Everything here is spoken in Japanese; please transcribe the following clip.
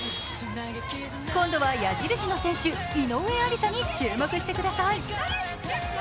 今度は矢印の選手、井上愛里沙に注目してください。